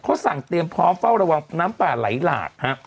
เขาสั่งเตรียมพร้อมเฝ้าระวังน้ำป่าไหลหลากฮะ